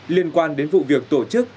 liên quan đến vụ việc tổ chức